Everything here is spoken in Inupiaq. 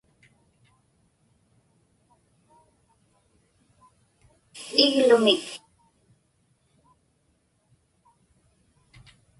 iglumik